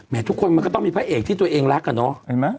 ทุกคนมันก็ต้องมีพระเอกที่ตัวเองรักอะเนาะ